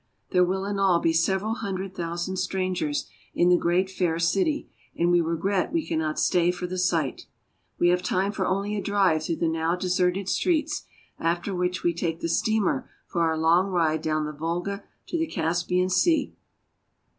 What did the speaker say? There will in all be several hundred thousand strangers in the great fair city, and we regret we cannot stay for the sight. We 354 RUSSIA. have time for only a drive through the now deserted streets, after which we take the steamer for our long ride down the Volga to the Caspian Sea.